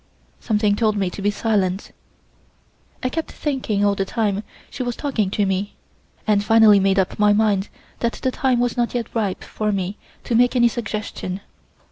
Something told me to be silent. I kept thinking all the time she was talking to me, and finally made up my mind that the time was not yet ripe for me to make any suggestion.